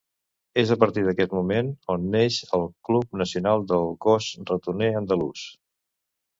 És a partir d'aquest moment on neix el Club Nacional del Gos Ratoner Andalús.